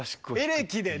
エレキでね。